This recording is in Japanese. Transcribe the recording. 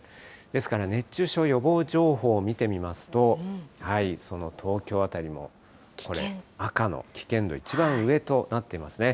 ですから、熱中症予防情報を見てみますと、その東京辺りも、赤の危険度、一番上となっていますね。